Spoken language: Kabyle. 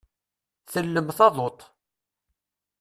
Tellem taḍuṭ.